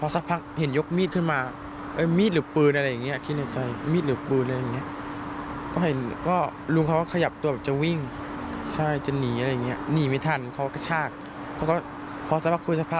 ใช่จะหนีอะไรอย่างนี้หนีไม่ทันเขาก็ชากเขาก็พอสับปากคุยสับปาก